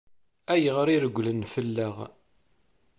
Ayɣer i regglen fell-aɣ?